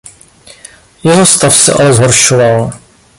Jeho stav se ale zhoršoval.